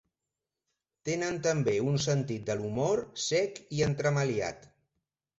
Tenen també un sentit de l'humor sec i entremaliat.